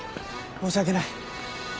申し訳ない。